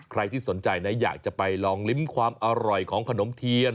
ใครที่สนใจนะอยากจะไปลองลิ้มความอร่อยของขนมเทียน